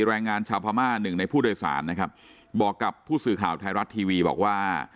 แรงงานชาวพม่าหนึ่งในผู้โดยสารนะครับบอกกับผู้สื่อข่าวไทยรัฐทีวีบอกว่า